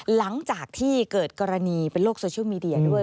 หลังจากที่เกิดกรณีเป็นโลกโซเชียลมีเดียด้วย